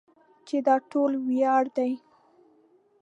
چې دا ټول وړيا دي.